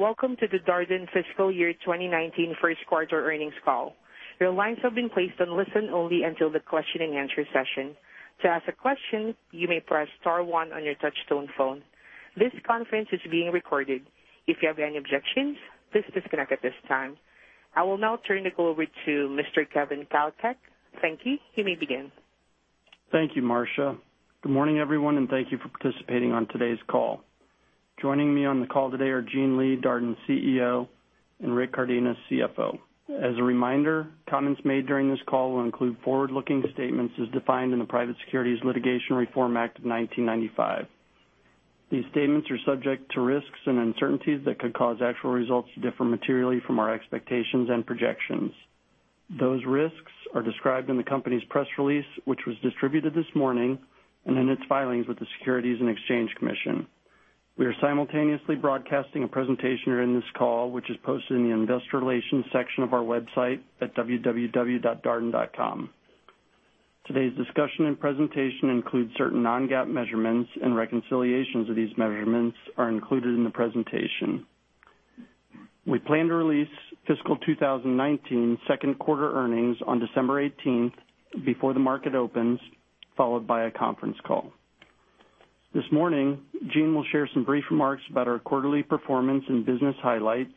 Welcome to the Darden Fiscal Year 2019 first quarter earnings call. Your lines have been placed on listen only until the question and answer session. To ask a question, you may press star one on your touch-tone phone. This conference is being recorded. If you have any objections, please disconnect at this time. I will now turn the call over to Mr. Kevin Kalchschmid. Thank you. You may begin. Thank you, Marsha. Good morning, everyone, and thank you for participating on today's call. Joining me on the call today are Gene Lee, Darden's CEO, and Rick Cardenas, CFO. As a reminder, comments made during this call will include forward-looking statements as defined in the Private Securities Litigation Reform Act of 1995. These statements are subject to risks and uncertainties that could cause actual results to differ materially from our expectations and projections. Those risks are described in the company's press release, which was distributed this morning, and in its filings with the Securities and Exchange Commission. We are simultaneously broadcasting a presentation during this call, which is posted in the investor relations section of our website at www.darden.com. Today's discussion and presentation includes certain non-GAAP measurements and reconciliations of these measurements are included in the presentation. We plan to release fiscal 2019 second quarter earnings on December 18th before the market opens, followed by a conference call. This morning, Gene will share some brief remarks about our quarterly performance and business highlights,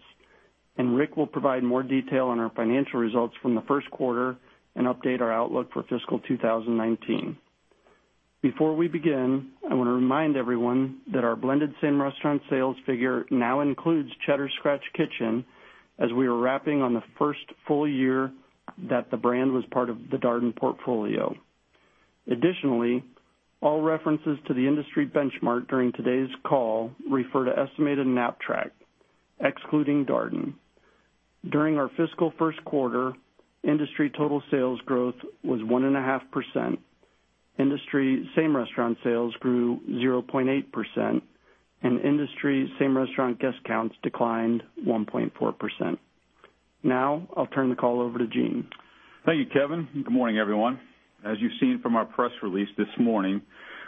Rick will provide more detail on our financial results from the first quarter and update our outlook for fiscal 2019. Before we begin, I want to remind everyone that our blended same restaurant sales figure now includes Cheddar's Scratch Kitchen as we are wrapping on the first full year that the brand was part of the Darden portfolio. Additionally, all references to the industry benchmark during today's call refer to estimated Knapp-Track, excluding Darden. During our fiscal first quarter, industry total sales growth was 1.5%. Industry same restaurant sales grew 0.8%, and industry same restaurant guest counts declined 1.4%. I'll turn the call over to Gene. Thank you, Kevin, and good morning, everyone. As you've seen from our press release this morning,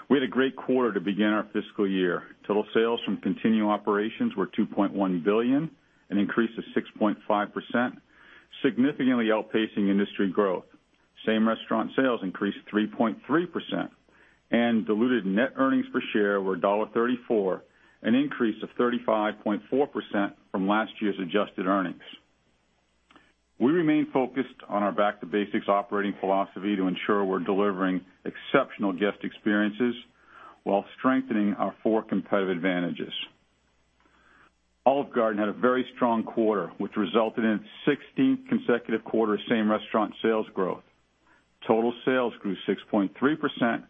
we had a great quarter to begin our fiscal year. Total sales from continuing operations were $2.1 billion, an increase of 6.5%, significantly outpacing industry growth. Same-restaurant sales increased 3.3%, and diluted net earnings per share were $1.34, an increase of 35.4% from last year's adjusted earnings. We remain focused on our back-to-basics operating philosophy to ensure we're delivering exceptional guest experiences while strengthening our four competitive advantages. Olive Garden had a very strong quarter, which resulted in its 16th consecutive quarter of same-restaurant sales growth. Total sales grew 6.3%,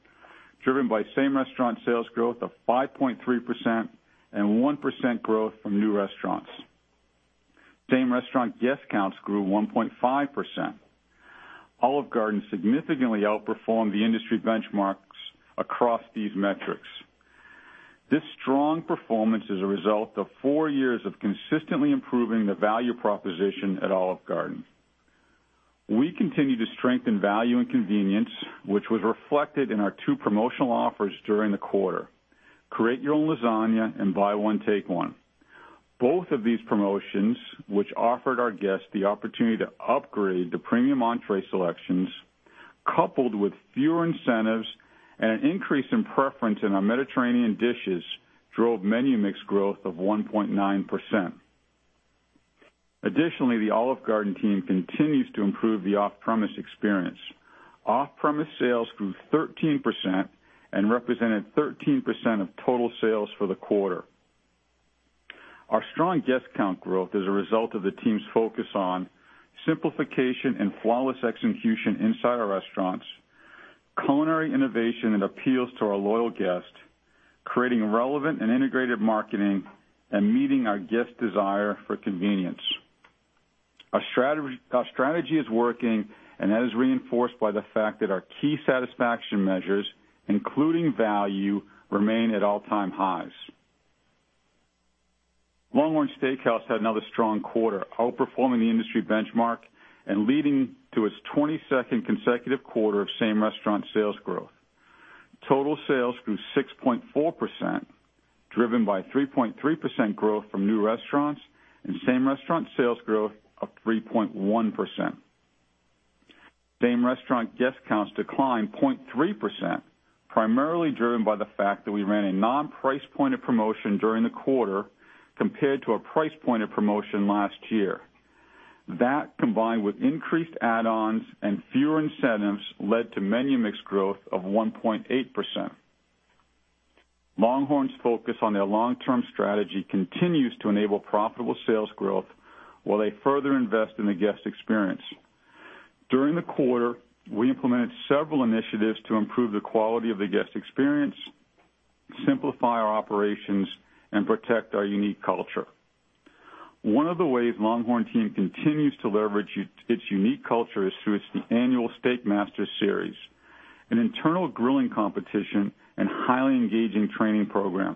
driven by same-restaurant sales growth of 5.3% and 1% growth from new restaurants. Same-restaurant guest counts grew 1.5%. Olive Garden significantly outperformed the industry benchmarks across these metrics. This strong performance is a result of four years of consistently improving the value proposition at Olive Garden. We continue to strengthen value and convenience, which was reflected in our two promotional offers during the quarter, Create Your Own Lasagna and Buy One, Take One. Both of these promotions, which offered our guests the opportunity to upgrade to premium entrée selections, coupled with fewer incentives and an increase in preference in our Mediterranean dishes, drove menu mix growth of 1.9%. Additionally, the Olive Garden team continues to improve the off-premise experience. Off-premise sales grew 13% and represented 13% of total sales for the quarter. Our strong guest count growth is a result of the team's focus on simplification and flawless execution inside our restaurants, culinary innovation that appeals to our loyal guests, creating relevant and integrated marketing, and meeting our guests' desire for convenience. Our strategy is working. That is reinforced by the fact that our key satisfaction measures, including value, remain at all-time highs. LongHorn Steakhouse had another strong quarter, outperforming the industry benchmark and leading to its 22nd consecutive quarter of same-restaurant sales growth. Total sales grew 6.4%, driven by 3.3% growth from new restaurants and same-restaurant sales growth of 3.1%. Same-restaurant guest counts declined 0.3%, primarily driven by the fact that we ran a non-price pointed promotion during the quarter compared to a price pointed promotion last year. That, combined with increased add-ons and fewer incentives, led to menu mix growth of 1.8%. LongHorn's focus on their long-term strategy continues to enable profitable sales growth while they further invest in the guest experience. During the quarter, we implemented several initiatives to improve the quality of the guest experience, simplify our operations, and protect our unique culture. One of the ways LongHorn team continues to leverage its unique culture is through its annual Steak Master Series, an internal grilling competition and highly engaging training program.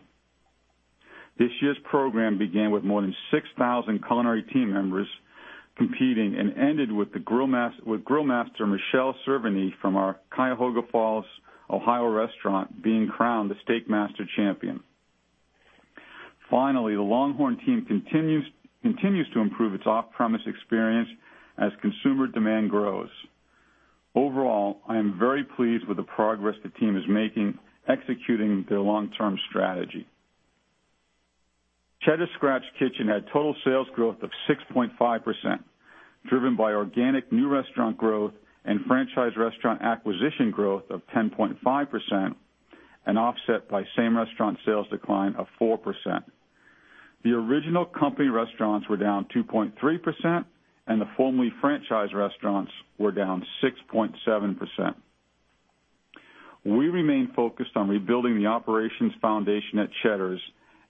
This year's program began with more than 6,000 culinary team members competing and ended with Grillmaster Michelle Cerveny from our Cuyahoga Falls, Ohio restaurant being crowned the Steak Master champion. Finally, the LongHorn team continues to improve its off-premise experience as consumer demand grows. Overall, I am very pleased with the progress the team is making executing their long-term strategy. Cheddar's Scratch Kitchen had total sales growth of 6.5%, driven by organic new restaurant growth and franchise restaurant acquisition growth of 10.5%, offset by same-restaurant sales decline of 4%. The original company restaurants were down 2.3%, and the formerly franchise restaurants were down 6.7%. We remain focused on rebuilding the operations foundation at Cheddar's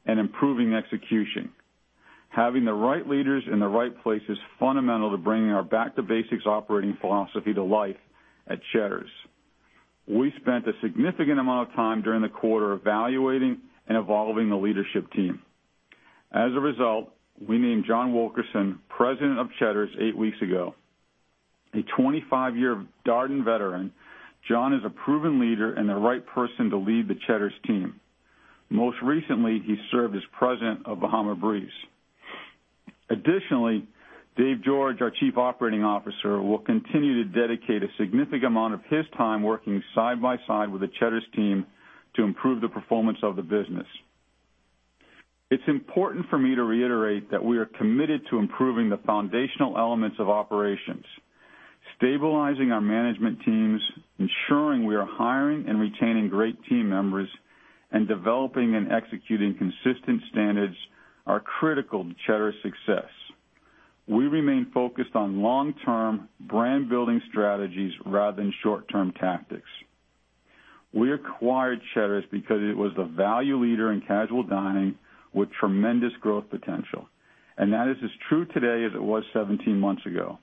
and improving execution. Having the right leaders in the right place is fundamental to bringing our back to basics operating philosophy to life at Cheddar's. We spent a significant amount of time during the quarter evaluating and evolving the leadership team. As a result, we named John Wilkerson, President of Cheddar's eight weeks ago. A 25-year Darden veteran, John is a proven leader and the right person to lead the Cheddar's team. Most recently, he served as President of Bahama Breeze. Additionally, Dave George, our Chief Operating Officer, will continue to dedicate a significant amount of his time working side by side with the Cheddar's team to improve the performance of the business. It's important for me to reiterate that we are committed to improving the foundational elements of operations. Stabilizing our management teams, ensuring we are hiring and retaining great team members, and developing and executing consistent standards are critical to Cheddar's success. We remain focused on long-term brand-building strategies rather than short-term tactics. We acquired Cheddar's because it was the value leader in casual dining with tremendous growth potential, and that is as true today as it was 17 months ago.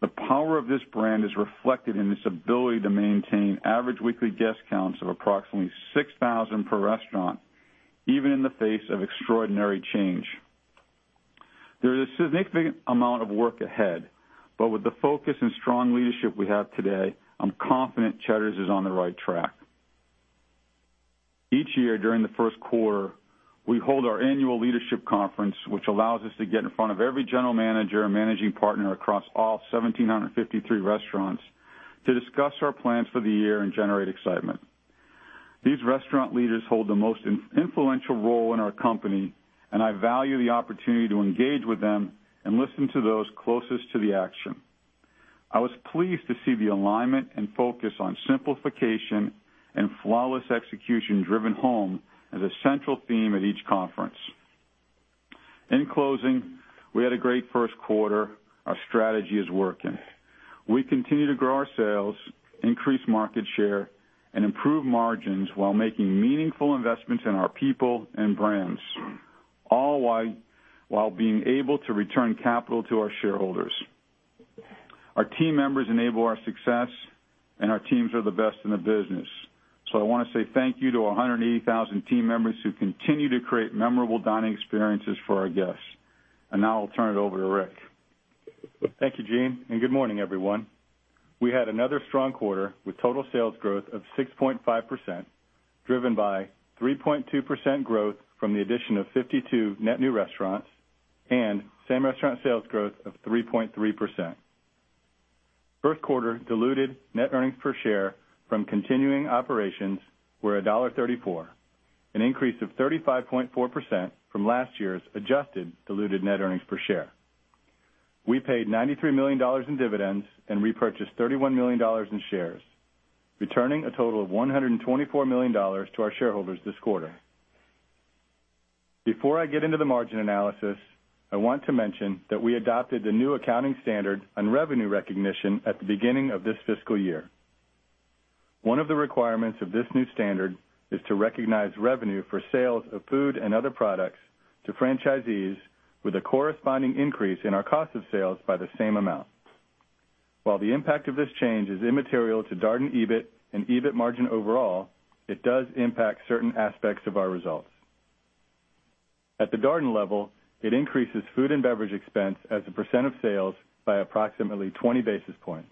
The power of this brand is reflected in its ability to maintain average weekly guest counts of approximately 6,000 per restaurant, even in the face of extraordinary change. There is a significant amount of work ahead, but with the focus and strong leadership we have today, I'm confident Cheddar's is on the right track. Each year during the first quarter, we hold our annual leadership conference, which allows us to get in front of every general manager and managing partner across all 1,753 restaurants to discuss our plans for the year and generate excitement. These restaurant leaders hold the most influential role in our company, and I value the opportunity to engage with them and listen to those closest to the action. I was pleased to see the alignment and focus on simplification and flawless execution driven home as a central theme at each conference. In closing, we had a great first quarter. Our strategy is working. We continue to grow our sales, increase market share, and improve margins while making meaningful investments in our people and brands, all while being able to return capital to our shareholders. Our team members enable our success, and our teams are the best in the business. I want to say thank you to 180,000 team members who continue to create memorable dining experiences for our guests. Now I'll turn it over to Rick. Thank you, Gene, and good morning, everyone. We had another strong quarter with total sales growth of 6.5%, driven by 3.2% growth from the addition of 52 net new restaurants and same-restaurant sales growth of 3.3%. First quarter diluted net earnings per share from continuing operations were $1.34, an increase of 35.4% from last year's adjusted diluted net earnings per share. We paid $93 million in dividends and repurchased $31 million in shares, returning a total of $124 million to our shareholders this quarter. Before I get into the margin analysis, I want to mention that we adopted the new accounting standard on revenue recognition at the beginning of this fiscal year. One of the requirements of this new standard is to recognize revenue for sales of food and other products to franchisees with a corresponding increase in our cost of sales by the same amount. While the impact of this change is immaterial to Darden EBIT and EBIT margin overall, it does impact certain aspects of our results. At the Darden level, it increases food and beverage expense as a percent of sales by approximately 20 basis points.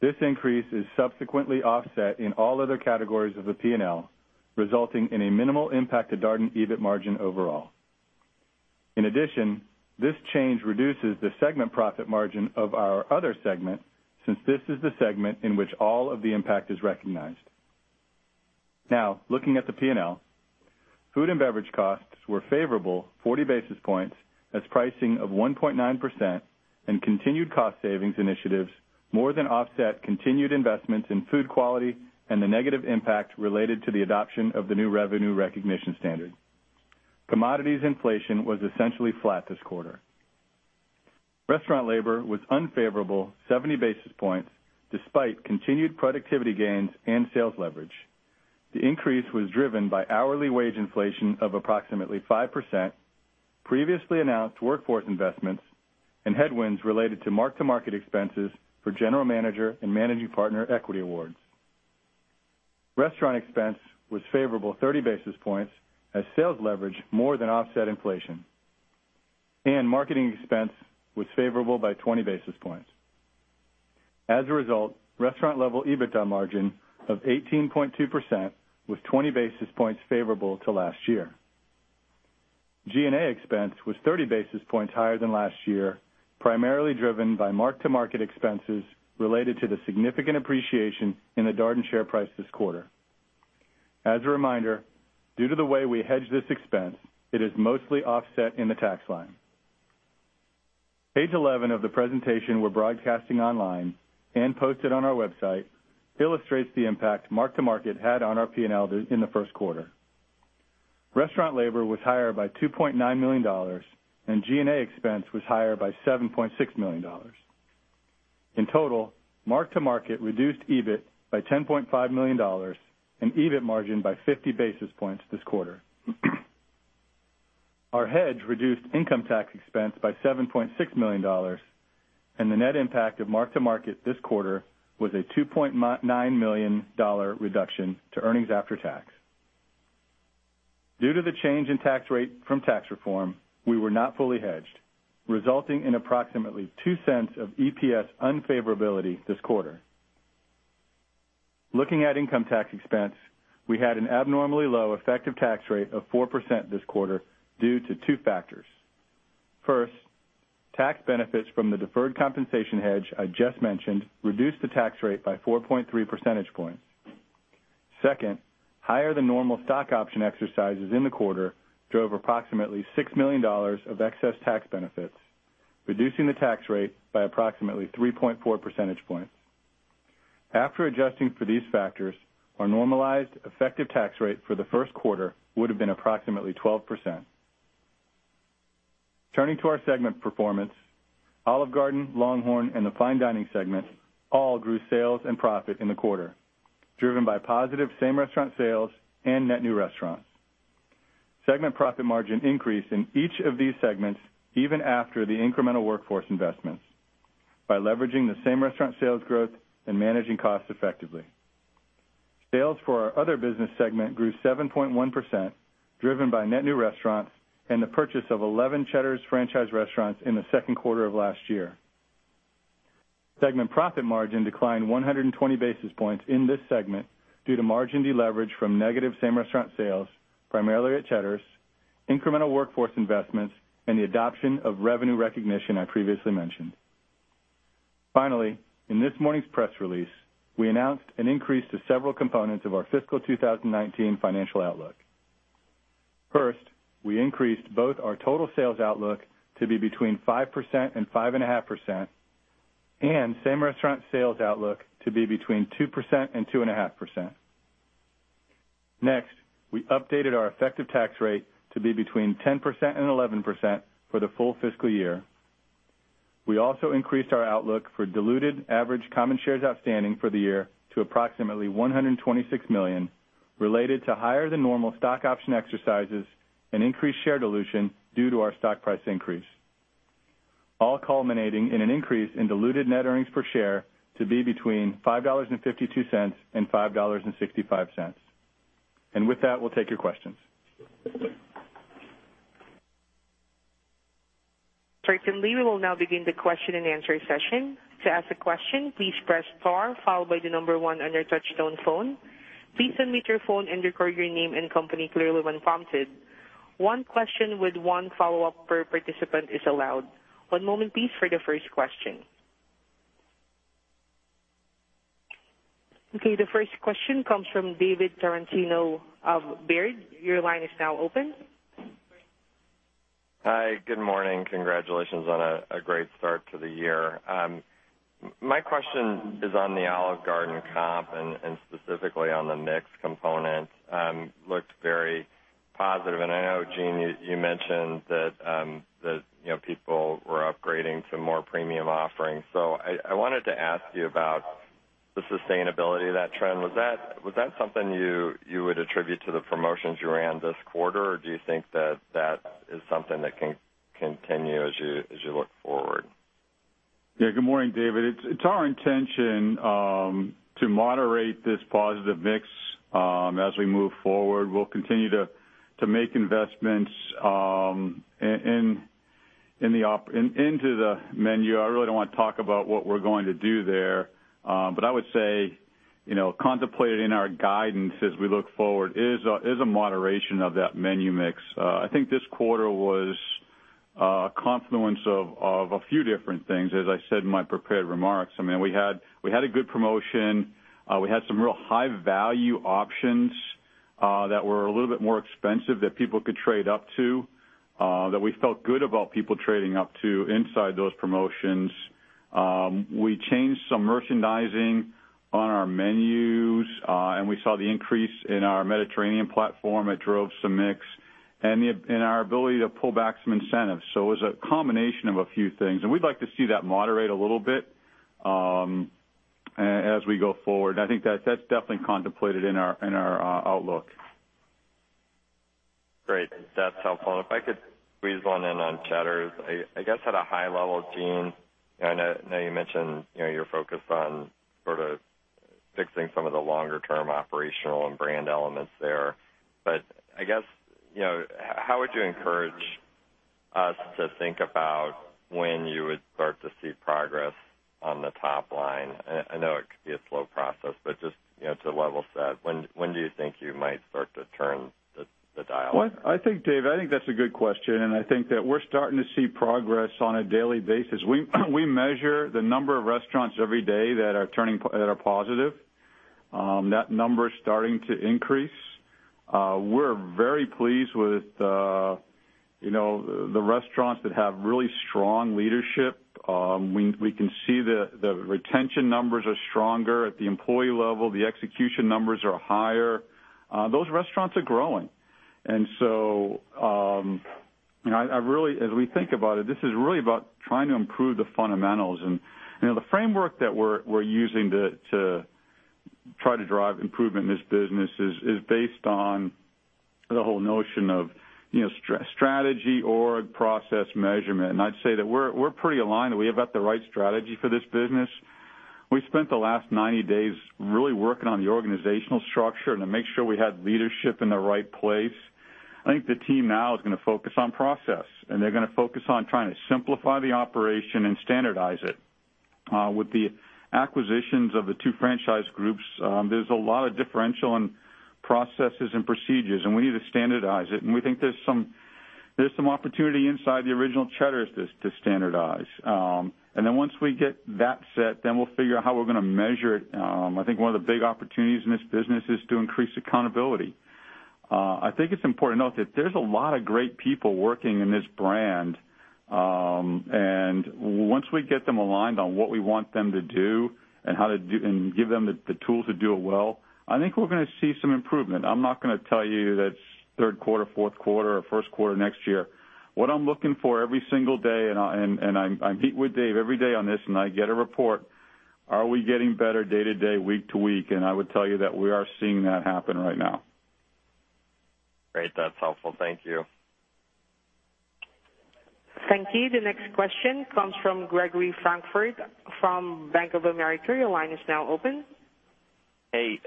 This increase is subsequently offset in all other categories of the P&L, resulting in a minimal impact to Darden EBIT margin overall. In addition, this change reduces the segment profit margin of our Other Business segment since this is the segment in which all of the impact is recognized. Now, looking at the P&L, food and beverage costs were favorable 40 basis points as pricing of 1.9% and continued cost savings initiatives more than offset continued investments in food quality and the negative impact related to the adoption of the new revenue recognition standard. Commodities inflation was essentially flat this quarter. Restaurant labor was unfavorable 70 basis points despite continued productivity gains and sales leverage. The increase was driven by hourly wage inflation of approximately 5%, previously announced workforce investments, and headwinds related to mark-to-market expenses for general manager and managing partner equity awards. Restaurant expense was favorable 30 basis points as sales leverage more than offset inflation, and marketing expense was favorable by 20 basis points. As a result, restaurant level EBITDA margin of 18.2% was 20 basis points favorable to last year. G&A expense was 30 basis points higher than last year, primarily driven by mark-to-market expenses related to the significant appreciation in the Darden share price this quarter. As a reminder, due to the way we hedge this expense, it is mostly offset in the tax line. Page 11 of the presentation we're broadcasting online and posted on our website illustrates the impact mark-to-market had on our P&L in the first quarter. Restaurant labor was higher by $2.9 million, and G&A expense was higher by $7.6 million. In total, mark-to-market reduced EBIT by $10.5 million and EBIT margin by 50 basis points this quarter. Our hedge reduced income tax expense by $7.6 million, and the net impact of mark-to-market this quarter was a $2.9 million reduction to earnings after tax. Due to the change in tax rate from tax reform, we were not fully hedged, resulting in approximately $0.02 of EPS unfavorability this quarter. Looking at income tax expense, we had an abnormally low effective tax rate of 4% this quarter due to two factors. First, tax benefits from the deferred compensation hedge I just mentioned reduced the tax rate by 4.3 percentage points. Second, higher than normal stock option exercises in the quarter drove approximately $6 million of excess tax benefits, reducing the tax rate by approximately 3.4 percentage points. After adjusting for these factors, our normalized effective tax rate for the first quarter would have been approximately 12%. Turning to our segment performance, Olive Garden, LongHorn, and the Fine Dining segment all grew sales and profit in the quarter, driven by positive same-restaurant sales and net new restaurants. Segment profit margin increased in each of these segments even after the incremental workforce investments, by leveraging the same-restaurant sales growth and managing costs effectively. Sales for our Other Business segment grew 7.1%, driven by net new restaurants and the purchase of 11 Cheddar's franchise restaurants in the second quarter of last year. Segment profit margin declined 120 basis points in this segment due to margin deleverage from negative same-restaurant sales, primarily at Cheddar's, incremental workforce investments, and the adoption of revenue recognition I previously mentioned. Finally, in this morning's press release, we announced an increase to several components of our fiscal 2019 financial outlook. First, we increased both our total sales outlook to be between 5% and 5.5%, and same-restaurant sales outlook to be between 2% and 2.5%. Next, we updated our effective tax rate to be between 10% and 11% for the full fiscal year. We also increased our outlook for diluted average common shares outstanding for the year to approximately 126 million, related to higher than normal stock option exercises and increased share dilution due to our stock price increase, all culminating in an increase in diluted net earnings per share to be between $5.52 and $5.65. With that, we'll take your questions. Certainly, we will now begin the question and answer session. To ask a question, please press star followed by the number 1 on your touchtone phone. Please unmute your phone and record your name and company clearly when prompted. One question with one follow-up per participant is allowed. One moment please for the first question. Okay, the first question comes from David Tarantino of Baird. Your line is now open. Hi, good morning. Congratulations on a great start to the year. My question is on the Olive Garden comp and specifically on the mix component. Looked very positive, and I know, Gene, you mentioned that people were upgrading to more premium offerings. I wanted to ask you about the sustainability of that trend. Was that something you would attribute to the promotions you ran this quarter, or do you think that that is something that can continue as you look forward? Good morning, David. It's our intention to moderate this positive mix as we move forward. We'll continue to make investments into the menu. I really don't want to talk about what we're going to do there. I would say, contemplated in our guidance as we look forward is a moderation of that menu mix. I think this quarter was a confluence of a few different things, as I said in my prepared remarks. We had a good promotion. We had some real high-value options that were a little bit more expensive that people could trade up to, that we felt good about people trading up to inside those promotions. We changed some merchandising on our menus, and we saw the increase in our Mediterranean platform. It drove some mix, and our ability to pull back some incentives. It was a combination of a few things, and we'd like to see that moderate a little bit as we go forward. I think that's definitely contemplated in our outlook. Great. That's helpful. If I could squeeze one in on Cheddar's. I guess at a high level, Gene, I know you mentioned you're focused on sort of fixing some of the longer-term operational and brand elements there. I guess, how would you encourage us to think about when you would start to see progress on the top line? I know it could be a slow process, but just to level set, when do you think you might start to turn the dial? Well, Dave, I think that's a good question, and I think that we're starting to see progress on a daily basis. We measure the number of restaurants every day that are positive. That number is starting to increase. We're very pleased with the restaurants that have really strong leadership. We can see the retention numbers are stronger at the employee level. The execution numbers are higher. Those restaurants are growing. As we think about it, this is really about trying to improve the fundamentals. The framework that we're using to try to drive improvement in this business is based on the whole notion of strategy, org, process, measurement. I'd say that we're pretty aligned that we have got the right strategy for this business. We spent the last 90 days really working on the organizational structure and to make sure we had leadership in the right place. I think the team now is going to focus on process, and they're going to focus on trying to simplify the operation and standardize it. With the acquisitions of the two franchise groups, there's a lot of differential in processes and procedures, and we need to standardize it. We think there's some opportunity inside the original Cheddar's to standardize. Then once we get that set, we'll figure out how we're going to measure it. I think one of the big opportunities in this business is to increase accountability. I think it's important to note that there's a lot of great people working in this brand, and once we get them aligned on what we want them to do and give them the tools to do it well, I think we're going to see some improvement. I'm not going to tell you that's third quarter, fourth quarter or first quarter next year. What I'm looking for every single day, and I meet with Dave every day on this and I get a report. Are we getting better day to day, week to week? I would tell you that we are seeing that happen right now. Great. That's helpful. Thank you. Thank you. The next question comes from Gregory Francfort from Bank of America. Your line is now open. Hey.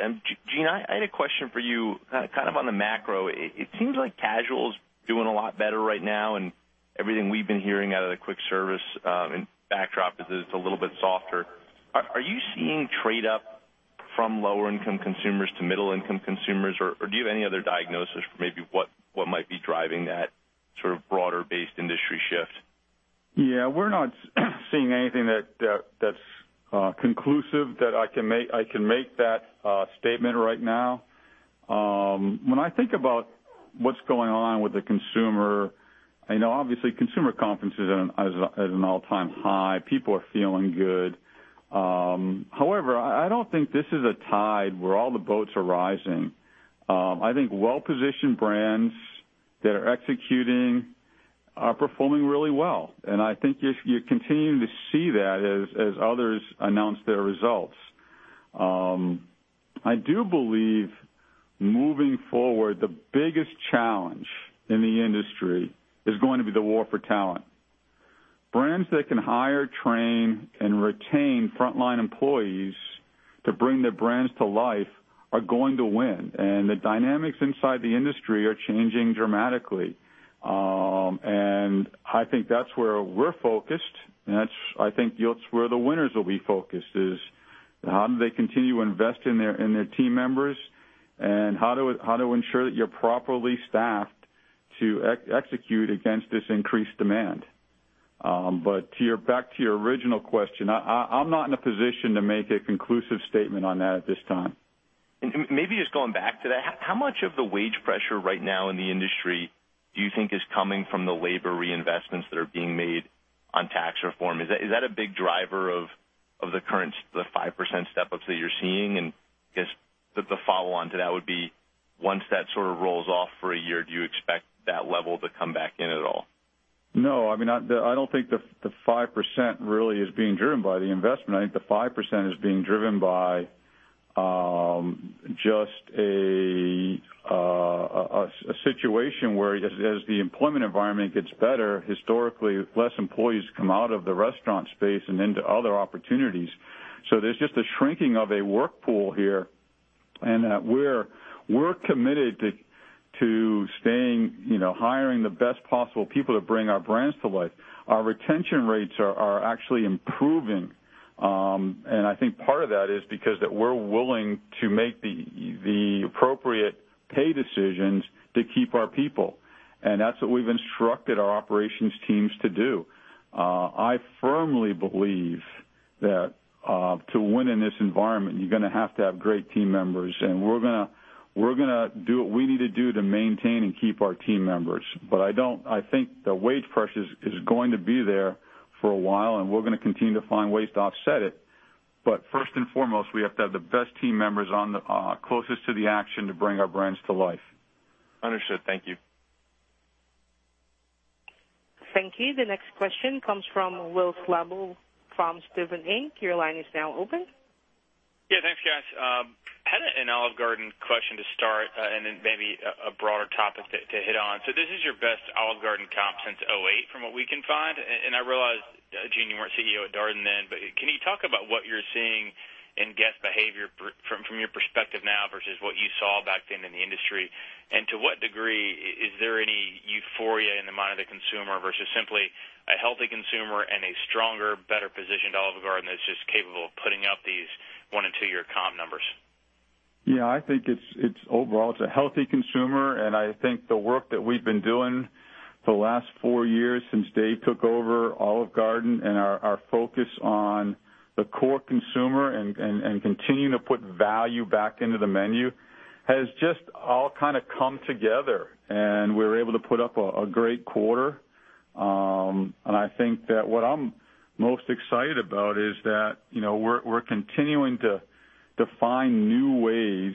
Gene, I had a question for you, kind of on the macro. It seems like casual is doing a lot better right now, and everything we've been hearing out of the quick service backdrop is it's a little bit softer. Are you seeing trade up from lower income consumers to middle income consumers, or do you have any other diagnosis for maybe what might be driving that sort of broader based industry shift? Yeah. We're not seeing anything that's conclusive that I can make that statement right now. When I think about what's going on with the consumer, obviously consumer confidence is at an all-time high. People are feeling good. However, I don't think this is a tide where all the boats are rising. I think well-positioned brands that are executing are performing really well, and I think you continue to see that as others announce their results. I do believe moving forward, the biggest challenge in the industry is going to be the war for talent. Brands that can hire, train, and retain frontline employees to bring their brands to life are going to win. The dynamics inside the industry are changing dramatically. I think that's where we're focused, and that's I think where the winners will be focused is how do they continue to invest in their team members, and how to ensure that you're properly staffed to execute against this increased demand. Back to your original question. I'm not in a position to make a conclusive statement on that at this time. Maybe just going back to that, how much of the wage pressure right now in the industry do you think is coming from the labor reinvestments that are being made on tax reform? Is that a big driver of the current 5% step-ups that you're seeing? I guess the follow-on to that would be once that sort of rolls off for a year, do you expect that level to come back in at all? No. I don't think the 5% really is being driven by the investment. I think the 5% is being driven by just a situation where as the employment environment gets better, historically, less employees come out of the restaurant space and into other opportunities. There's just a shrinking of a work pool here, and that we're committed to hiring the best possible people to bring our brands to life. Our retention rates are actually improving. I think part of that is because we're willing to make the appropriate pay decisions to keep our people, and that's what we've instructed our operations teams to do. I firmly believe that to win in this environment, you're going to have to have great team members, and we're going to do what we need to do to maintain and keep our team members. I think the wage pressure is going to be there for a while, and we're going to continue to find ways to offset it. First and foremost, we have to have the best team members closest to the action to bring our brands to life. Understood. Thank you. Thank you. The next question comes from Will Slabaugh from Stifel Inc. Your line is now open. Thanks, guys. I had an Olive Garden question to start, and then maybe a broader topic to hit on. This is your best Olive Garden comp since 2008 from what we can find. I realize, Gene, you weren't CEO at Darden then, but can you talk about what you're seeing in guest behavior from your perspective now versus what you saw back then in the industry? To what degree is there any euphoria in the mind of the consumer versus simply a healthy consumer and a stronger, better positioned Olive Garden that's just capable of putting up these one and two-year comp numbers? I think overall, it's a healthy consumer, and I think the work that we've been doing for the last four years since Dave took over Olive Garden and our focus on the core consumer and continuing to put value back into the menu has just all kind of come together, and we were able to put up a great quarter. I think that what I'm most excited about is that we're continuing to find new ways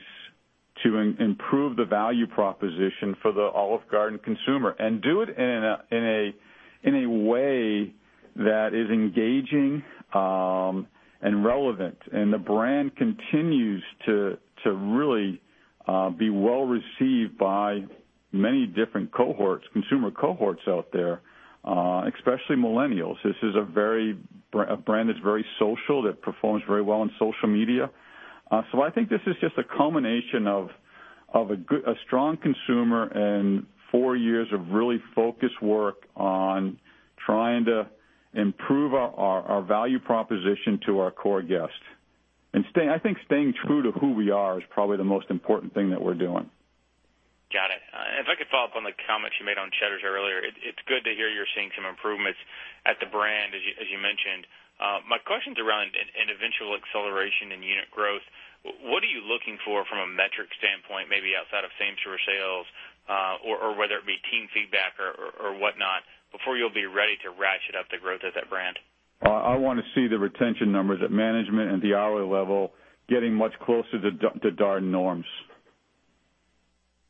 to improve the value proposition for the Olive Garden consumer and do it in a way that is engaging and relevant. The brand continues to really be well-received by many different cohorts, consumer cohorts out there, especially millennials. This is a brand that's very social, that performs very well on social media. I think this is just a culmination of a strong consumer and four years of really focused work on trying to improve our value proposition to our core guests. I think staying true to who we are is probably the most important thing that we're doing. Got it. If I could follow up on the comments you made on Cheddar's earlier, it's good to hear you're seeing some improvements at the brand, as you mentioned. My question's around an eventual acceleration in unit growth. What are you looking for from a metric standpoint, maybe outside of same-store sales, or whether it be team feedback or whatnot, before you'll be ready to ratchet up the growth of that brand? I want to see the retention numbers at management and the hourly level getting much closer to Darden norms.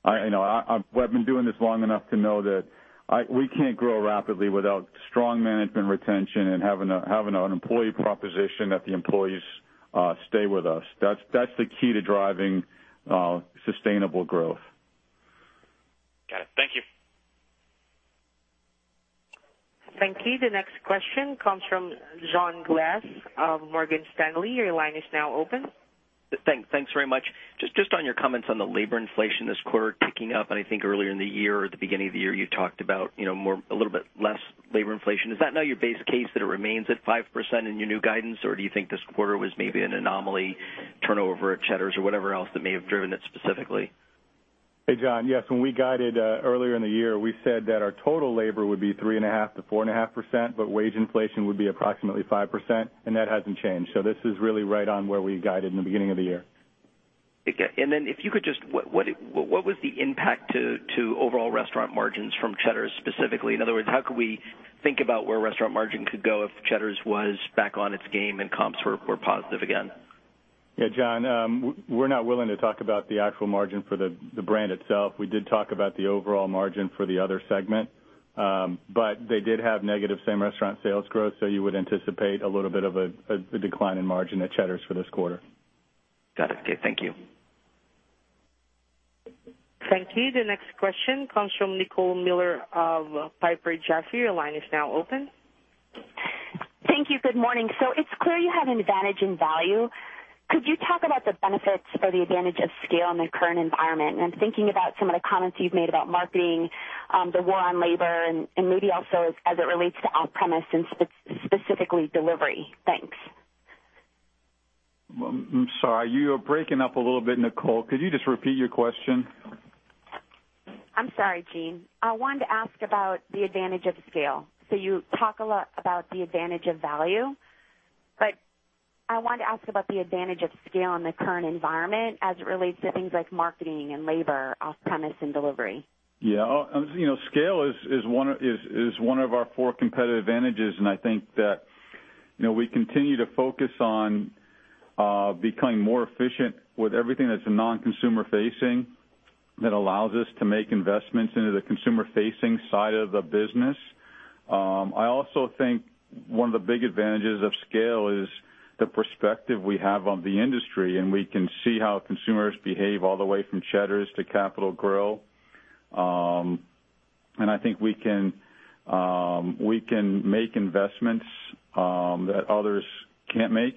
I've been doing this long enough to know that we can't grow rapidly without strong management retention and having an employee proposition that the employees stay with us. That's the key to driving sustainable growth. Got it. Thank you. Thank you. The next question comes from John Glass of Morgan Stanley. Your line is now open. Thanks very much. Just on your comments on the labor inflation this quarter picking up. I think earlier in the year or at the beginning of the year, you talked about a little bit less labor inflation. Is that now your base case that it remains at 5% in your new guidance? Or do you think this quarter was maybe an anomaly turnover at Cheddar's or whatever else that may have driven it specifically? Hey, John. When we guided earlier in the year, we said that our total labor would be 3.5%-4.5%, wage inflation would be approximately 5%, that hasn't changed. This is really right on where we guided in the beginning of the year. What was the impact to overall restaurant margins from Cheddar's specifically? In other words, how could we think about where restaurant margin could go if Cheddar's was back on its game and comps were positive again? Yeah, John, we're not willing to talk about the actual margin for the brand itself. We did talk about the overall margin for the other segment. They did have negative same-restaurant sales growth. You would anticipate a little bit of a decline in margin at Cheddar's for this quarter. Got it. Okay, thank you. Thank you. The next question comes from Nicole Miller of Piper Jaffray. Your line is now open. Thank you. Good morning. It's clear you have an advantage in value. Could you talk about the benefits or the advantage of scale in the current environment? I'm thinking about some of the comments you've made about marketing, the war on labor, and maybe also as it relates to off-premise and specifically delivery. Thanks. I'm sorry. You are breaking up a little bit, Nicole. Could you just repeat your question? I'm sorry, Gene. I wanted to ask about the advantage of scale. You talk a lot about the advantage of value, but I wanted to ask about the advantage of scale in the current environment as it relates to things like marketing and labor, off-premise, and delivery. Yeah. Scale is one of our four competitive advantages, I think that we continue to focus on becoming more efficient with everything that's non-consumer facing that allows us to make investments into the consumer-facing side of the business. I also think one of the big advantages of scale is the perspective we have on the industry, and we can see how consumers behave all the way from Cheddar's to Capital Grille. I think we can make investments that others can't make.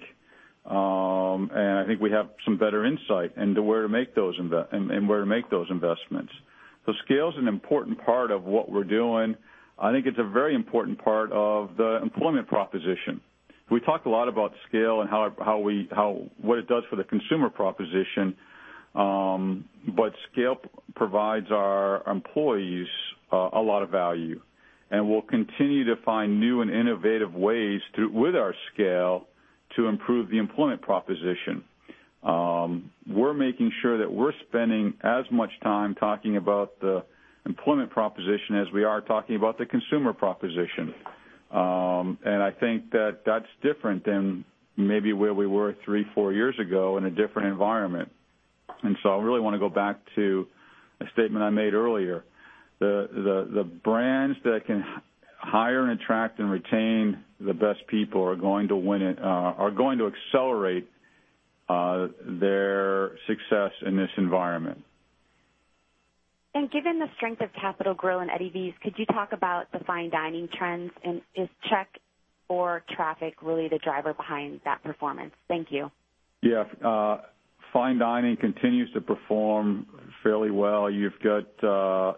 I think we have some better insight into where to make those investments. Scale is an important part of what we're doing. I think it's a very important part of the employment proposition. We talk a lot about scale and what it does for the consumer proposition, scale provides our employees a lot of value, we'll continue to find new and innovative ways with our scale to improve the employment proposition. We're making sure that we're spending as much time talking about the employment proposition as we are talking about the consumer proposition. I think that that's different than maybe where we were three, four years ago in a different environment. I really want to go back to a statement I made earlier. The brands that can hire and attract and retain the best people are going to win it, are going to accelerate their success in this environment. Given the strength of Capital Grille and Eddie V's, could you talk about the fine dining trends and is check or traffic really the driver behind that performance? Thank you. Yeah. Fine dining continues to perform fairly well. You've got both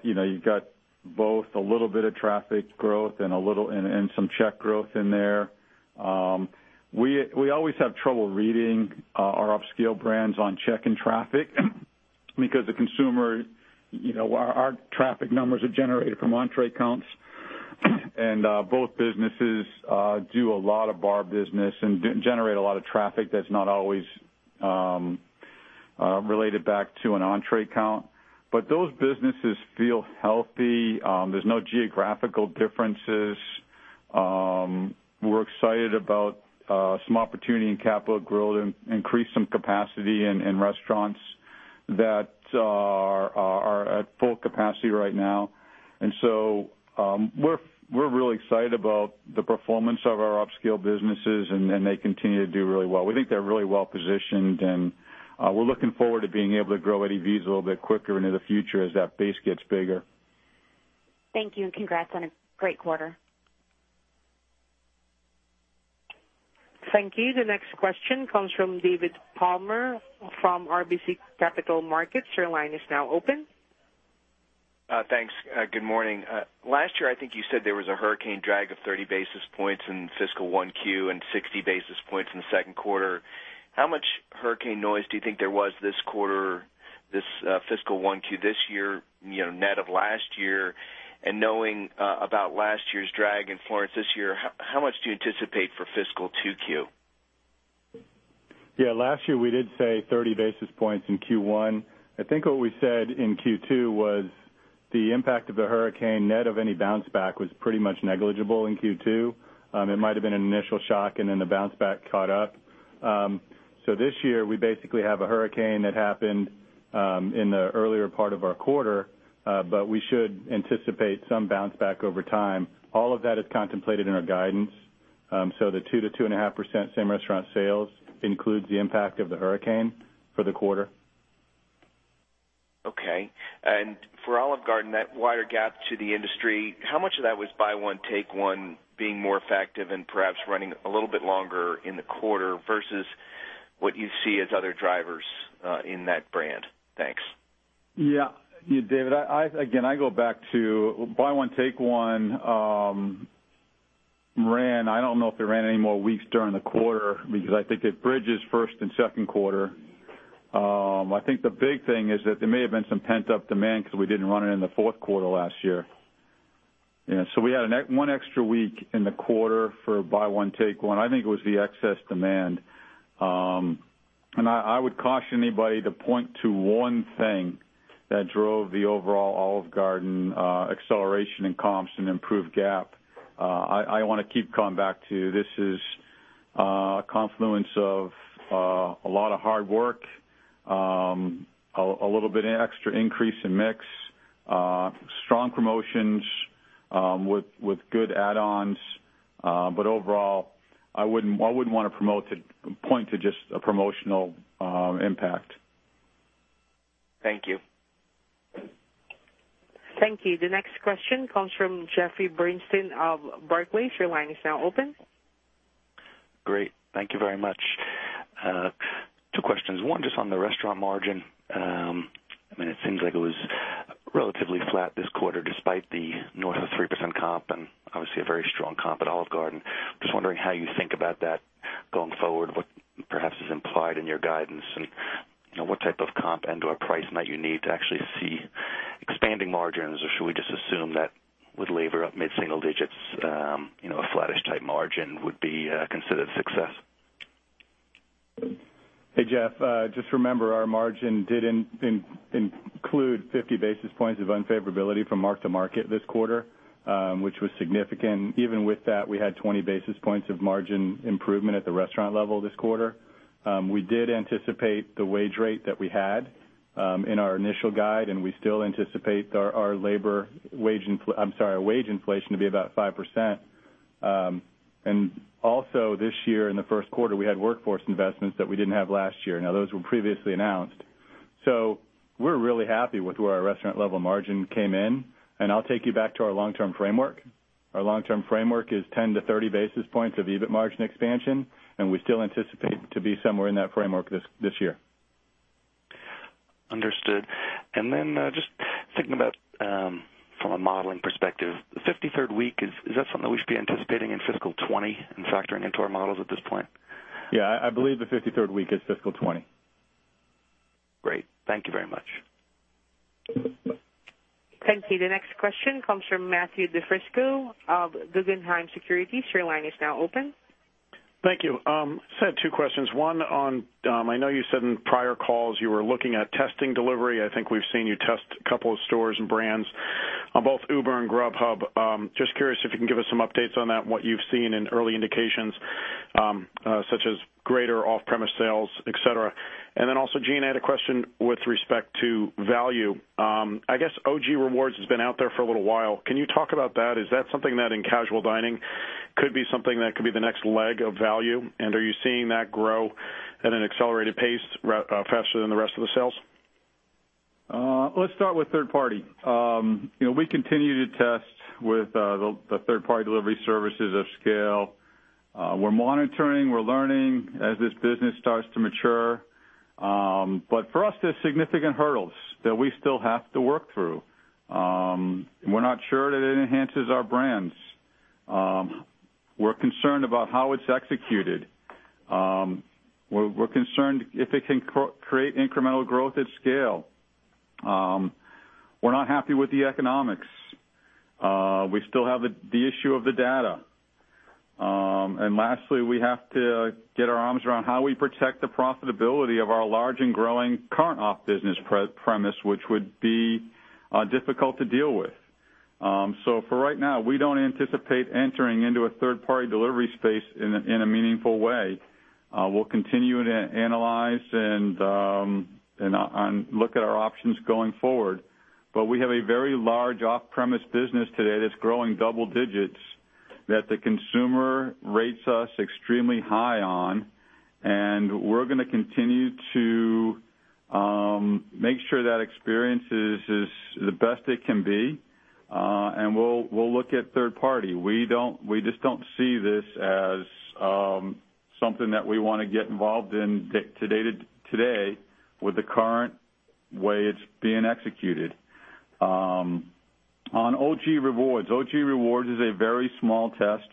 a little bit of traffic growth and some check growth in there. We always have trouble reading our upscale brands on check and traffic because the consumer, our traffic numbers are generated from entree counts. Both businesses do a lot of bar business and generate a lot of traffic that's not always related back to an entree count. Those businesses feel healthy. There's no geographical differences. We're excited about some opportunity in Capital Grille to increase some capacity in restaurants that are at full capacity right now. We're really excited about the performance of our upscale businesses, they continue to do really well. We think they're really well-positioned, we're looking forward to being able to grow Eddie V's a little bit quicker into the future as that base gets bigger. Thank you, and congrats on a great quarter. Thank you. The next question comes from David Palmer from RBC Capital Markets. Your line is now open. Thanks. Good morning. Last year, I think you said there was a hurricane drag of 30 basis points in fiscal Q1 and 60 basis points in the second quarter. How much hurricane noise do you think there was this quarter, this fiscal Q1 this year, net of last year, and knowing about last year's drag and Florence this year, how much do you anticipate for fiscal Q2? Last year, we did say 30 basis points in Q1. I think what we said in Q2 was the impact of the hurricane, net of any bounce back, was pretty much negligible in Q2. It might have been an initial shock, and then the bounce back caught up. This year, we basically have a hurricane that happened in the earlier part of our quarter, but we should anticipate some bounce back over time. All of that is contemplated in our guidance. The 2%-2.5% same-restaurant sales includes the impact of the hurricane for the quarter. For Olive Garden, that wider gap to the industry, how much of that was Buy One, Take One being more effective and perhaps running a little bit longer in the quarter versus what you see as other drivers in that brand? Thanks. Yeah. David, again, I go back to Buy One, Take One ran, I don't know if it ran any more weeks during the quarter because I think it bridges first and second quarter. I think the big thing is that there may have been some pent-up demand because we didn't run it in the fourth quarter last year. Yeah. We had one extra week in the quarter for Buy One, Take One. I think it was the excess demand. I would caution anybody to point to one thing that drove the overall Olive Garden acceleration in comps and improved gap. I want to keep coming back to this is a confluence of a lot of hard work, a little bit extra increase in mix, strong promotions with good add-ons. Overall, I wouldn't want to point to just a promotional impact. Thank you. Thank you. The next question comes from Jeffrey Bernstein of Barclays. Your line is now open. Great. Thank you very much. Two questions. One, just on the restaurant margin. It seems like it was relatively flat this quarter despite the north of 3% comp and obviously a very strong comp at Olive Garden. Just wondering how you think about that going forward. What perhaps is implied in your guidance, and what type of comp and/or price might you need to actually see expanding margins, or should we just assume that with labor up mid-single digits, a flattish type margin would be considered success? Hey, Jeff. Just remember our margin did include 50 basis points of unfavorability from mark to market this quarter, which was significant. Even with that, we had 20 basis points of margin improvement at the restaurant level this quarter. We did anticipate the wage rate that we had in our initial guide, and we still anticipate our wage inflation to be about 5%. This year in the first quarter, we had workforce investments that we didn't have last year. Now, those were previously announced. We're really happy with where our restaurant level margin came in, and I'll take you back to our long-term framework. Our long-term framework is 10 to 30 basis points of EBIT margin expansion, and we still anticipate to be somewhere in that framework this year. Understood. Just thinking about from a modeling perspective, the 53rd week, is that something we should be anticipating in fiscal 20 and factoring into our models at this point? I believe the 53rd week is fiscal Q20. Great. Thank you very much. Thank you. The next question comes from Matthew DiFrisco of Guggenheim Securities. Your line is now open. Thank you. I have two questions. One on, I know you said in prior calls you were looking at testing delivery. I think we've seen you test a couple of stores and brands on both Uber and Grubhub. Just curious if you can give us some updates on that and what you've seen in early indications, such as greater off-premise sales, et cetera. Then also, Gene, I had a question with respect to value. I guess OG Rewards has been out there for a little while. Can you talk about that? Is that something that in casual dining could be something that could be the next leg of value? Are you seeing that grow at an accelerated pace, faster than the rest of the sales? Let's start with third party. We continue to test with the third-party delivery services of scale. We're monitoring, we're learning as this business starts to mature. For us, there's significant hurdles that we still have to work through. We're not sure that it enhances our brands. We're concerned about how it's executed. We're concerned if it can create incremental growth at scale. We're not happy with the economics. We still have the issue of the data. Lastly, we have to get our arms around how we protect the profitability of our large and growing current off business premise, which would be difficult to deal with. For right now, we don't anticipate entering into a third-party delivery space in a meaningful way. We'll continue to analyze and look at our options going forward. We have a very large off-premise business today that's growing double digits that the consumer rates us extremely high on, and we're going to continue to make sure that experience is the best it can be. We'll look at third party. We just don't see this as something that we want to get involved in today with the current way it's being executed. On OG Rewards. OG Rewards is a very small test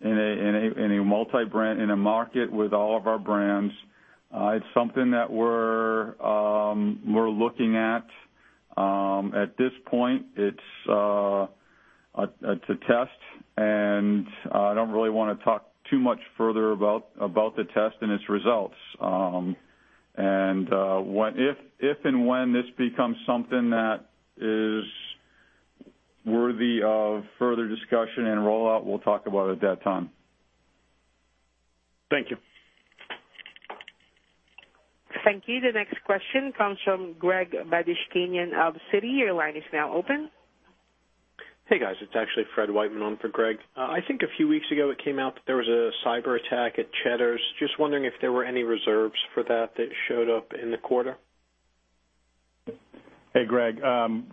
in a market with all of our brands. It's something that we're looking at. At this point, it's a test, and I don't really want to talk too much further about the test and its results. If and when this becomes something that is worthy of further discussion and rollout, we'll talk about it at that time. Thank you. Thank you. The next question comes from Gregory Badishkanian of Citi. Your line is now open. Hey, guys. It's actually Fred Wightman on for Greg. I think a few weeks ago, it came out that there was a cyber attack at Cheddar's. Just wondering if there were any reserves for that that showed up in the quarter. Hey, Greg.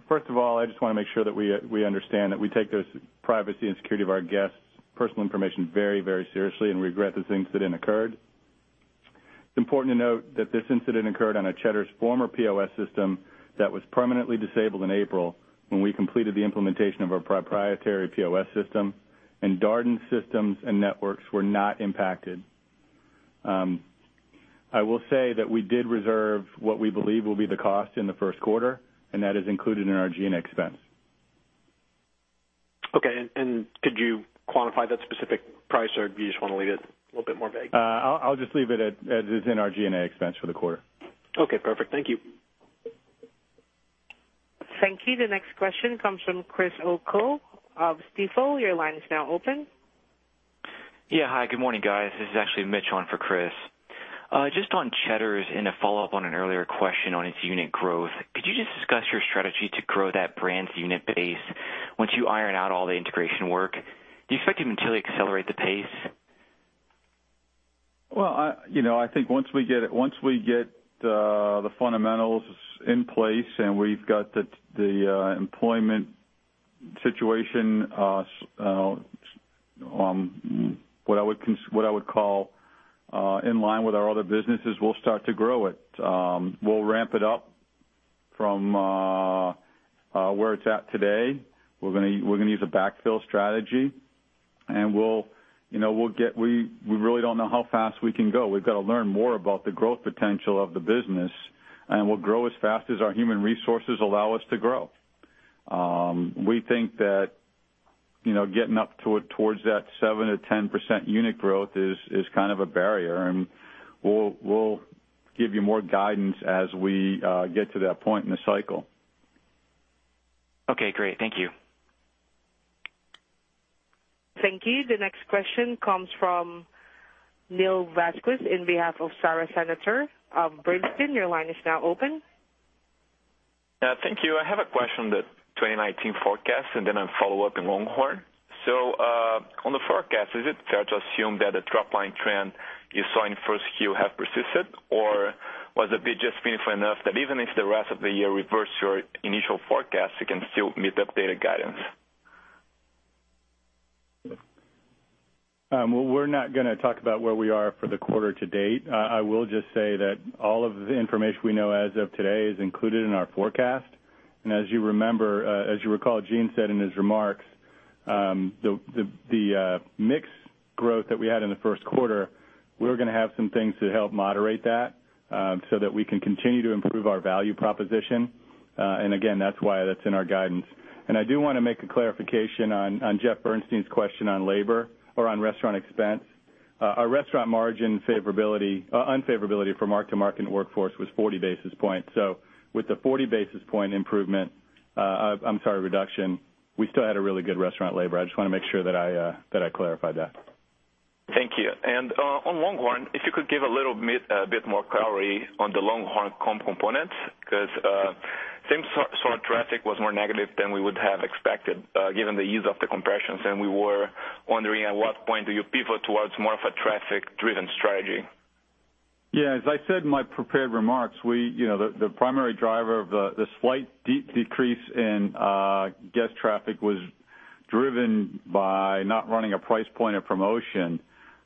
First of all, I just want to make sure that we understand that we take the privacy and security of our guests' personal information very seriously and regret the incident occurred. It's important to note that this incident occurred on a Cheddar's former POS system that was permanently disabled in April when we completed the implementation of our proprietary POS system, and Darden's systems and networks were not impacted. I will say that we did reserve what we believe will be the cost in the first quarter, and that is included in our G&A expense. Okay. Could you quantify that specific price, or do you just want to leave it a little bit more vague? I'll just leave it as it is in our G&A expense for the quarter. Okay, perfect. Thank you. Thank you. The next question comes from Christopher O'Cull of Stifel. Your line is now open. Yeah. Hi, good morning, guys. This is actually Mitch on for Chris. Just on Cheddar's in a follow-up on an earlier question on its unit growth. Could you just discuss your strategy to grow that brand's unit base once you iron out all the integration work? Do you expect to materially accelerate the pace? Well, I think once we get the fundamentals in place and we've got the employment situation, what I would call in line with our other businesses, we'll start to grow it. We'll ramp it up from where it's at today. We're going to use a backfill strategy. We really don't know how fast we can go. We've got to learn more about the growth potential of the business, and we'll grow as fast as our human resources allow us to grow. We think that getting up towards that 7%-10% unit growth is kind of a barrier, and we'll give you more guidance as we get to that point in the cycle. Okay, great. Thank you. Thank you. The next question comes from Neil Vazquez on behalf of Sara Senatore of Bernstein. Your line is now open. Thank you. I have a question on the 2019 forecast, then a follow-up on LongHorn. On the forecast, is it fair to assume that the drop line trend you saw in first Q has persisted, or was it just meaningful enough that even if the rest of the year reverts your initial forecast, you can still meet the updated guidance? We're not going to talk about where we are for the quarter to date. I will just say that all of the information we know as of today is included in our forecast. As you recall, Gene said in his remarks, the mix growth that we had in the first quarter, we're going to have some things to help moderate that so that we can continue to improve our value proposition. Again, that's why that's in our guidance. I do want to make a clarification on Jeffrey Bernstein's question on labor or on restaurant expense. Our restaurant margin unfavorability from mark to market workforce was 40 basis points. With the 40 basis point improvement I'm sorry, reduction. We still had a really good restaurant labor. I just want to make sure that I clarified that. Thank you. On LongHorn, if you could give a little bit more clarity on the LongHorn comp components, because same-store traffic was more negative than we would have expected given the ease of the compressions. We were wondering at what point do you pivot towards more of a traffic-driven strategy? As I said in my prepared remarks, the primary driver of the slight decrease in guest traffic was driven by not running a price point of promotion.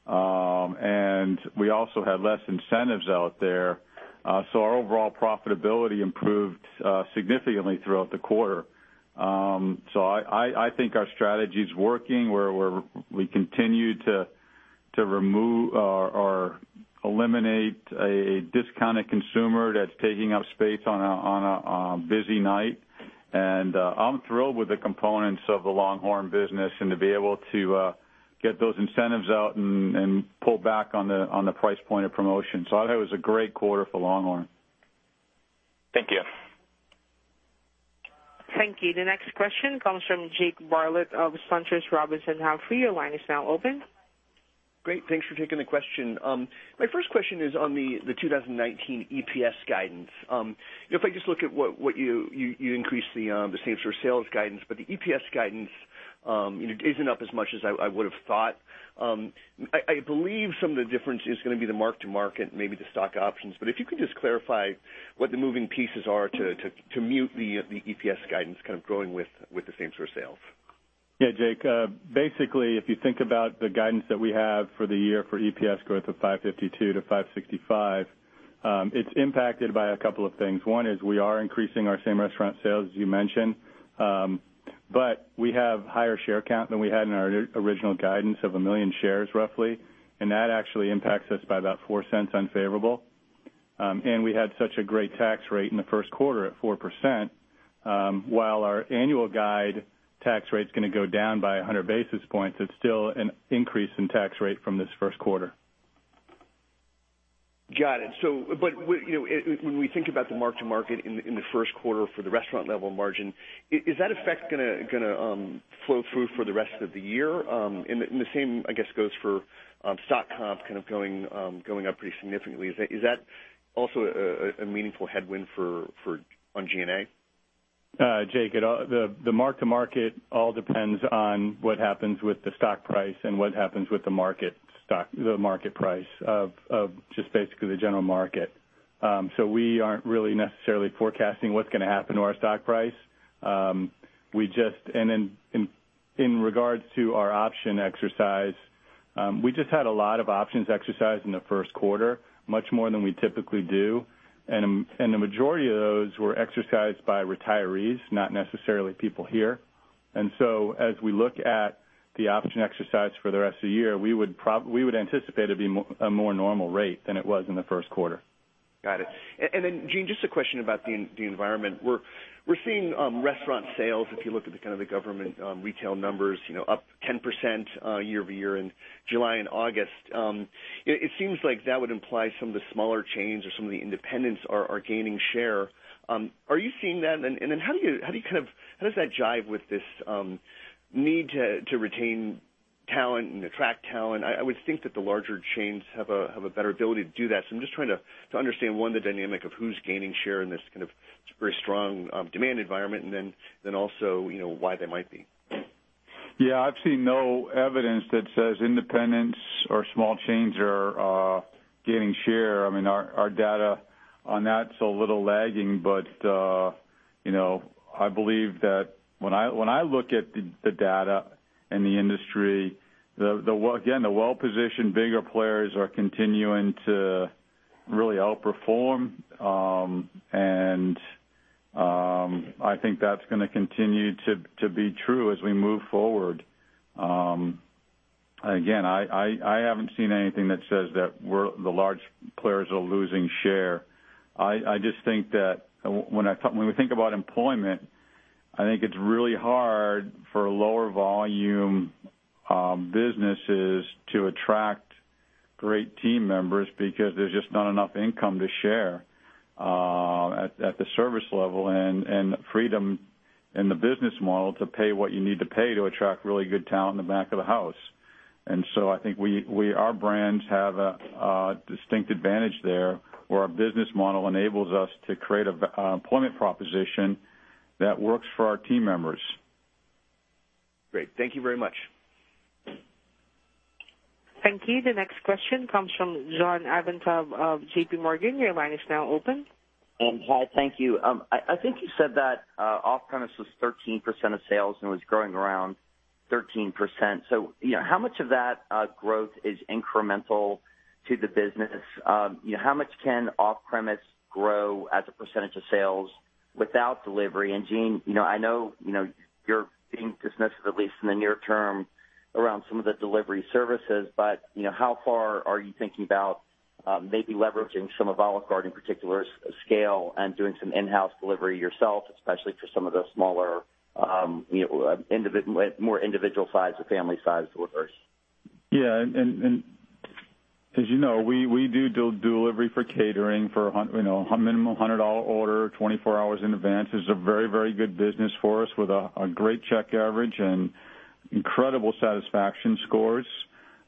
We also had less incentives out there. Our overall profitability improved significantly throughout the quarter. I think our strategy's working, where we continue to remove or eliminate a discounted consumer that's taking up space on a busy night. I'm thrilled with the components of the LongHorn business and to be able to get those incentives out and pull back on the price point of promotion. I thought it was a great quarter for LongHorn. Thank you. Thank you. The next question comes from Jake Bartlett of SunTrust Robinson Humphrey. Your line is now open. Great. Thanks for taking the question. My first question is on the 2019 EPS guidance. If I just look at what you increased the same-store sales guidance, but the EPS guidance isn't up as much as I would have thought. I believe some of the difference is going to be the mark to market, maybe the stock options, but if you could just clarify what the moving pieces are to mute the EPS guidance kind of growing with the same-store sales. Jake, if you think about the guidance that we have for the year for EPS growth of $5.52-$5.65, it's impacted by a couple of things. One is we are increasing our same restaurant sales, as you mentioned, we have higher share count than we had in our original guidance of 1 million shares, roughly. That actually impacts us by about $0.04 unfavorable. We had such a great tax rate in the first quarter at 4%, while our annual guide tax rate is going to go down by 100 basis points. It's still an increase in tax rate from this first quarter. Got it. When we think about the mark to market in the first quarter for the restaurant level margin, is that effect going to flow through for the rest of the year? The same, I guess, goes for stock comps kind of going up pretty significantly. Is that also a meaningful headwind on G&A? Jake, the mark to market all depends on what happens with the stock price and what happens with the market price of just basically the general market. We aren't really necessarily forecasting what's going to happen to our stock price. In regards to our option exercise, we just had a lot of options exercised in the first quarter, much more than we typically do. The majority of those were exercised by retirees, not necessarily people here. As we look at the option exercise for the rest of the year, we would anticipate it'd be a more normal rate than it was in the first quarter. Got it. Gene, just a question about the environment. We're seeing restaurant sales, if you look at the kind of the government retail numbers up 10% year-over-year in July and August. It seems like that would imply some of the smaller chains or some of the independents are gaining share. Are you seeing that? How does that jive with this need to retain talent and attract talent? I would think that the larger chains have a better ability to do that. I'm just trying to understand, one, the dynamic of who's gaining share in this kind of very strong demand environment, also why they might be. Yeah, I've seen no evidence that says independents or small chains are gaining share. I mean, our data on that's a little lagging, but I believe that when I look at the data in the industry, again, the well-positioned bigger players are continuing to really outperform, and I think that's going to continue to be true as we move forward. Again, I haven't seen anything that says that the large players are losing share. I just think that when we think about employment, I think it's really hard for lower volume businesses to attract great team members because there's just not enough income to share at the service level and freedom in the business model to pay what you need to pay to attract really good talent in the back of the house. I think our brands have a distinct advantage there where our business model enables us to create an employment proposition that works for our team members. Great. Thank you very much. Thank you. The next question comes from John Ivankoe of J.P. Morgan. Your line is now open. Hi, thank you. I think you said that off-premise was 13% of sales and was growing around 13%. How much of that growth is incremental to the business? How much can off-premise grow as a percentage of sales without delivery? Gene, I know you're being dismissive, at least in the near term, around some of the delivery services, but how far are you thinking about maybe leveraging some of Olive Garden particular scale and doing some in-house delivery yourself, especially for some of the smaller, more individual size or family size orders? As you know, we do delivery for catering for a minimum $100 order, 24 hours in advance. It's a very good business for us with a great check average and incredible satisfaction scores.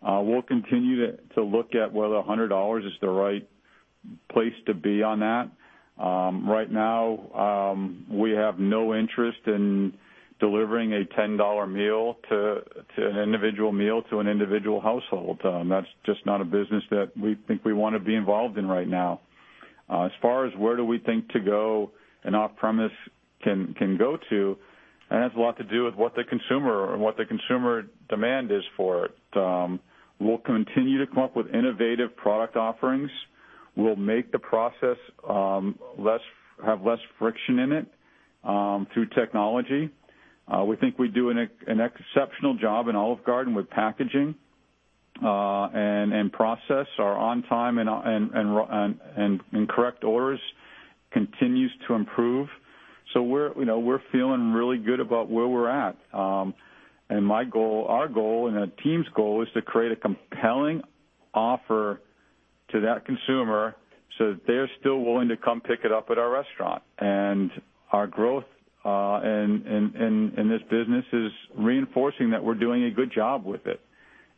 We'll continue to look at whether $100 is the right place to be on that. Right now, we have no interest in delivering a $10 individual meal to an individual household. That's just not a business that we think we want to be involved in right now. As far as where do we think to go and off-premise can go to, that has a lot to do with what the consumer demand is for it. We'll continue to come up with innovative product offerings. We'll make the process have less friction in it through technology. We think we do an exceptional job in Olive Garden with packaging and process. Our on time and correct orders continues to improve. We're feeling really good about where we're at. My goal, our goal, and the team's goal is to create a compelling offer to that consumer so that they're still willing to come pick it up at our restaurant. Our growth in this business is reinforcing that we're doing a good job with it.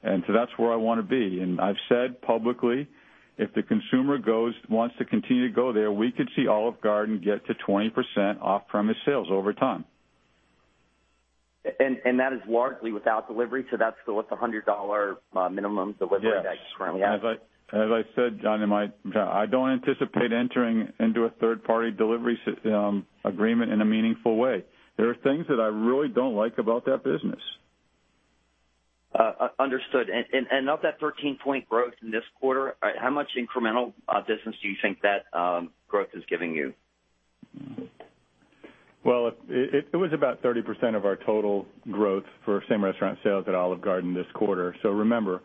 That's where I want to be. I've said publicly, if the consumer wants to continue to go there, we could see Olive Garden get to 20% off-premise sales over time. That is largely without delivery, that's with the $100 minimum delivery that you currently have. Yes. As I said, John, I don't anticipate entering into a third-party delivery agreement in a meaningful way. There are things that I really don't like about that business. Understood. Of that 13-point growth in this quarter, how much incremental business do you think that growth is giving you? Well, it was about 30% of our total growth for same restaurant sales at Olive Garden this quarter. Remember,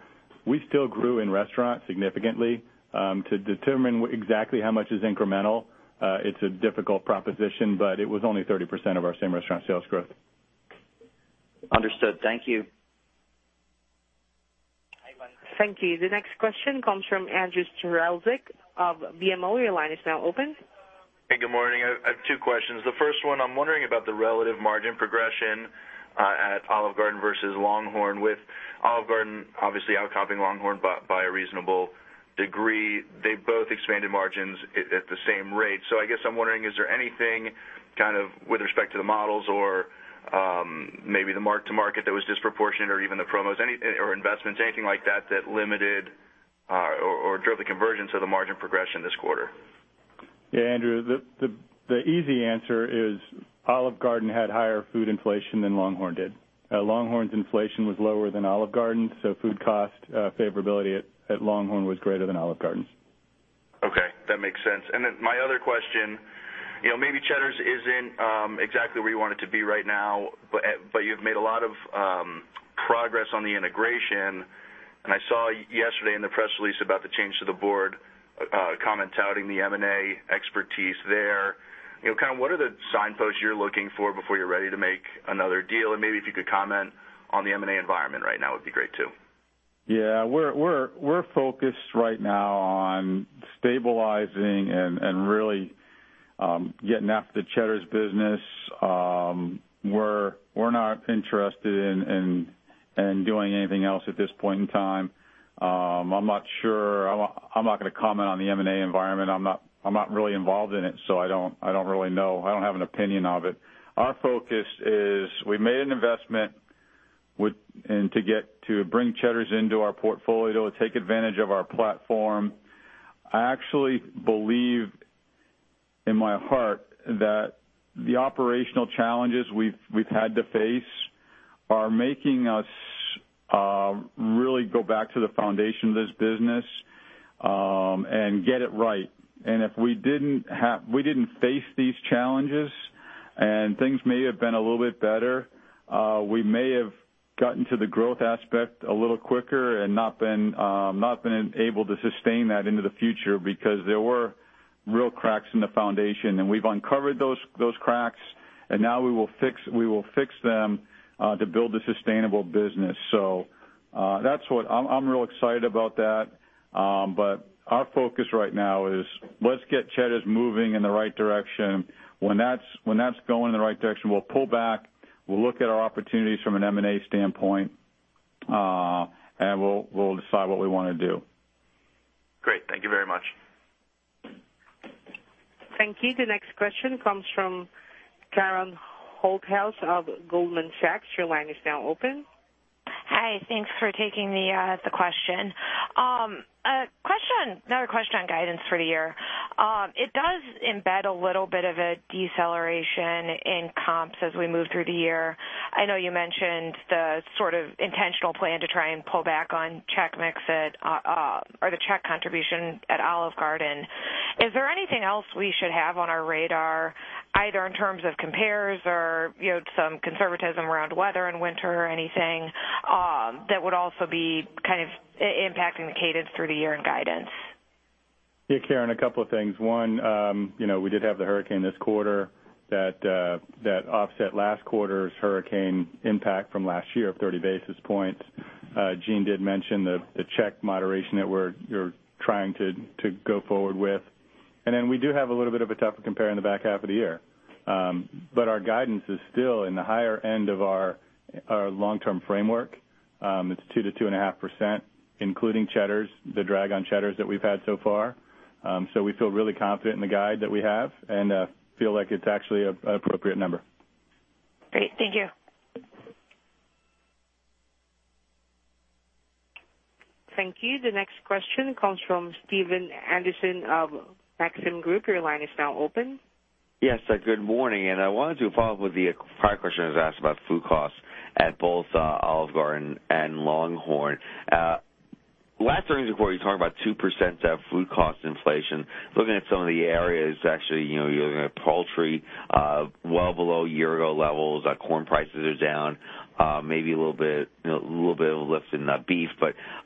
we still grew in restaurants significantly. To determine exactly how much is incremental, it's a difficult proposition, it was only 30% of our same restaurant sales growth. Understood. Thank you. Thank you. The next question comes from Andrew Strelzik of BMO. Your line is now open. Hey, good morning. I have two questions. The first one, I'm wondering about the relative margin progression at Olive Garden versus LongHorn. With Olive Garden obviously outcompeting LongHorn by a reasonable degree, they both expanded margins at the same rate. I guess I'm wondering, is there anything with respect to the models or maybe the mark-to-market that was disproportionate or even the promos or investments, anything like that limited or drove the convergence of the margin progression this quarter? Yeah, Andrew, the easy answer is Olive Garden had higher food inflation than LongHorn did. LongHorn's inflation was lower than Olive Garden's, food cost favorability at LongHorn was greater than Olive Garden's. Okay, that makes sense. My other question, maybe Cheddar's isn't exactly where you want it to be right now, but you've made a lot of progress on the integration. I saw yesterday in the press release about the change to the board, a comment touting the M&A expertise there. What are the signposts you're looking for before you're ready to make another deal? And maybe if you could comment on the M&A environment right now, would be great too. Yeah, we're focused right now on stabilizing and really getting after the Cheddar's business. We're not interested in doing anything else at this point in time. I'm not going to comment on the M&A environment. I'm not really involved in it, so I don't have an opinion of it. Our focus is we made an investment to bring Cheddar's into our portfolio to take advantage of our platform. I actually believe in my heart that the operational challenges we've had to face are making us really go back to the foundation of this business and get it right. If we didn't face these challenges and things may have been a little bit better, we may have gotten to the growth aspect a little quicker and not been able to sustain that into the future because there were real cracks in the foundation. We've uncovered those cracks, and now we will fix them to build a sustainable business. I'm real excited about that. Our focus right now is let's get Cheddar's moving in the right direction. When that's going in the right direction, we'll pull back, we'll look at our opportunities from an M&A standpoint, and we'll decide what we want to do. Great. Thank you very much. Thank you. The next question comes from Karen Holthouse of Goldman Sachs. Your line is now open. Hi. Thanks for taking the question. Another question on guidance for the year. It does embed a little bit of a deceleration in comps as we move through the year. I know you mentioned the intentional plan to try and pull back on check mix or the check contribution at Olive Garden. Is there anything else we should have on our radar, either in terms of compares or some conservatism around weather in winter or anything that would also be impacting the cadence through the year in guidance? Yeah, Karen, a couple of things. One, we did have the hurricane this quarter that offset last quarter's hurricane impact from last year of 30 basis points. Gene did mention the check moderation that we're trying to go forward with. We do have a little bit of a tougher compare in the back half of the year. Our guidance is still in the higher end of our long-term framework. It's 2%-2.5%, including Cheddar's, the drag on Cheddar's that we've had so far. We feel really confident in the guide that we have and feel like it's actually an appropriate number. Great. Thank you. Thank you. The next question comes from Stephen Anderson of Maxim Group. Your line is now open. Yes, good morning. I wanted to follow up with the prior question that was asked about food costs at both Olive Garden and LongHorn. Last earnings report, you talked about 2% food cost inflation. Looking at some of the areas, actually, you're looking at poultry well below year-ago levels. Corn prices are down, maybe a little bit of a lift in beef.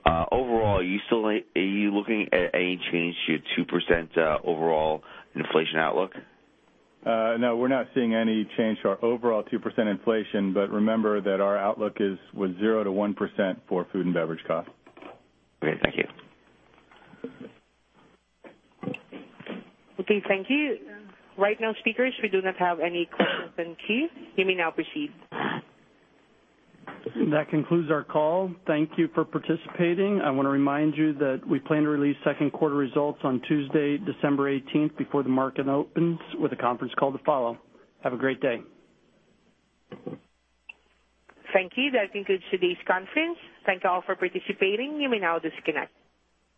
Overall, are you looking at any change to your 2% overall inflation outlook? No, we're not seeing any change to our overall 2% inflation. Remember that our outlook was 0%-1% for food and beverage cost. Great. Thank you. Okay, thank you. Right now, speakers, we do not have any questions in queue. You may now proceed. That concludes our call. Thank you for participating. I want to remind you that we plan to release second quarter results on Tuesday, December 18th, before the market opens with a conference call to follow. Have a great day. Thank you. That concludes today's conference. Thank you all for participating. You may now disconnect.